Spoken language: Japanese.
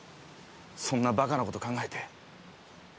そんなバカな事考えて。